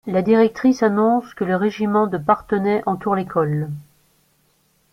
La directrice annonce que le régiment de Parthenay entoure l'école.